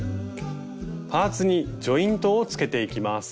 パーツにジョイントをつけていきます。